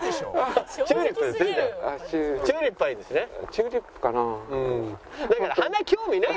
チューリップかなあ。